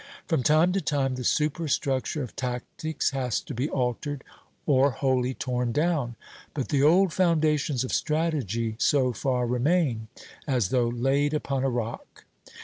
From time to time the superstructure of tactics has to be altered or wholly torn down; but the old foundations of strategy so far remain, as though laid upon a rock.